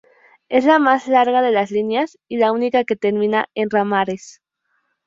Es la más larga de las líneas y la única que termina en ramales.